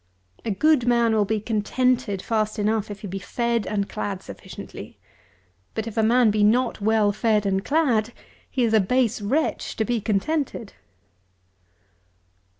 A good man will be contented fast enough, if he be fed and clad sufficiently; but if a man be not well fed and clad, he is a base wretch to be contented.